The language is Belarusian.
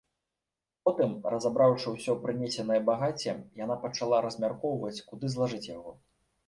Потым, разабраўшы ўсё прынесенае багацце, яна пачала размяркоўваць, куды злажыць яго.